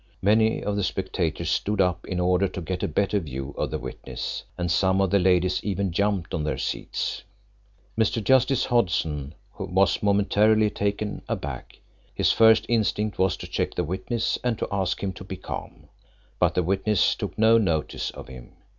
Many of the spectators stood up in order to get a better view of the witness, and some of the ladies even jumped on their seats. Mr. Justice Hodson was momentarily taken aback. His first instinct was to check the witness and to ask him to be calm, but the witness took no notice of him.